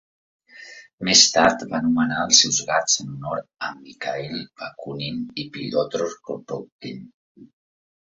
Més tard, va anomenar els seus gats en honor a Mikhail Bakunin i Piotr Kropotkin